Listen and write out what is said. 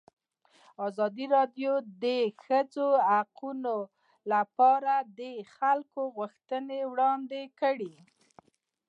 ازادي راډیو د د ښځو حقونه لپاره د خلکو غوښتنې وړاندې کړي.